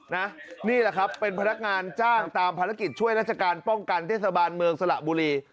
นี่แหละครับเป็นพนักงานจ้างตามภารกิจช่วยราชการป้องกันเทศบาลเมืองสระบุรี